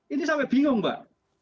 ini sampai bingung mbak